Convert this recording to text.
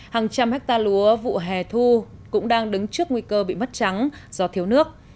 hàng trăm hectare lúa vụ hè thu cũng đang đứng trước nguy cơ bị mất trắng do thiếu nước